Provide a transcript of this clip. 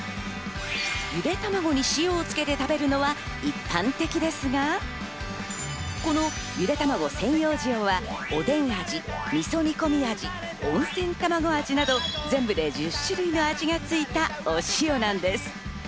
ゆでたまごに塩をつけて食べるのは一般的ですが、このゆでたまご専用塩はおでん味、味噌煮込み味、温泉たまご味など、全部で１０種類の味がついたお塩なんです。